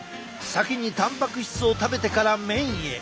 先にたんぱく質を食べてから麺へ。